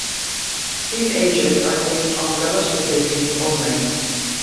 These ages are based on relative dating only.